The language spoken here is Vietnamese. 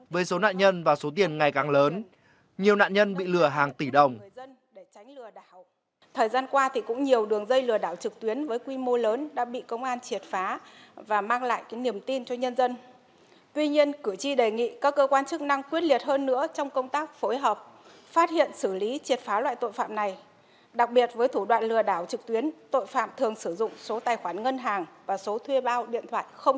với số nạn nhân và số tiền ngày càng lớn nhiều nạn nhân bị lừa hàng tỷ đồng